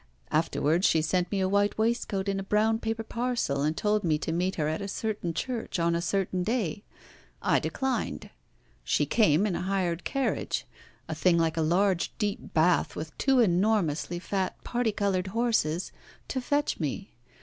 Afterwards she sent me a white waistcoat in a brown paper parcel, and told me to meet her at a certain church on a certain day. I declined. She came in a hired carriage a thing like a large deep bath, with two enormously fat parti coloured horses to fetch me.